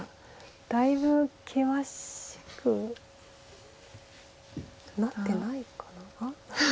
だいぶ険しくなってないかな？